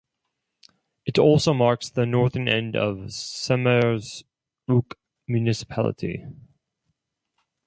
It also marks the northern end of Sermersooq municipality.